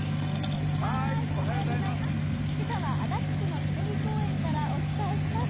今朝は足立区の舎人公園からお伝えします。